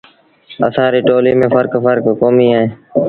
اسآݩ ريٚ ٽوليٚ ميݩ ڦرڪ ڦرڪ ڪوميݩ اوهيݩ۔